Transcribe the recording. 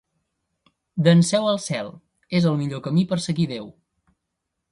D'Enseu al cel: és el millor camí per seguir Déu.